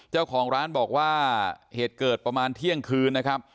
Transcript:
เจ้าของร้านบอกว่าเหตุเกิดประมาณเที่ยงคืนนะครับ